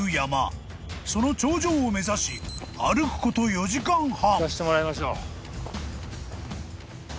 ［その頂上を目指し歩くこと４時間半］